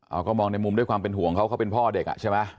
เอาก็มองในมุมด้วยความเป็นห่วงเขาเขาเป็นพ่อเด็กอ่ะใช่ไหม